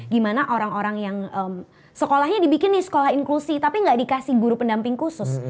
gimana orang orang yang sekolahnya dibikin di sekolah inklusi tapi nggak dikasih guru pendamping khusus